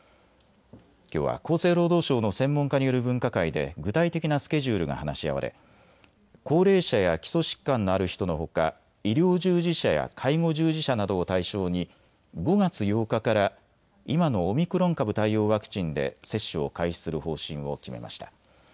きょうは厚生労働省の専門家による分科会で具体的なスケジュールが話し合われ高齢者や基礎疾患のある人のほか医療従事者や介護従事者などを対象に５月８日から今のオミクロン株対応ワクチンで接種を開始する方針を決めました。